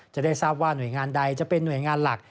จะได้ทราบว่าหน่วยงานใดจะเป็นหน่วยงานหลัก